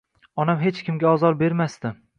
Onam hech kimga ozor bermasdi.